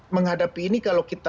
menghadapi ini kalau kita